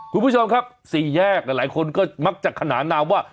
คุณผู้ชมครับสี่แยกหลายคนก็มักจะขนานนามว่า